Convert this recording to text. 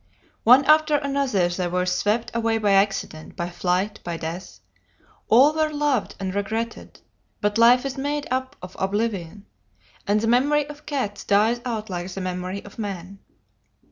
"One after another they were swept away by accident, by flight, by death. All were loved and regretted: but life is made up of oblivion, and the memory of cats dies out like the memory of men."